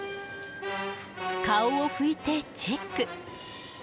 顔を拭いてチェック。